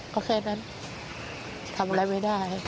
ก็แค่นั้นทำอะไรไม่ได้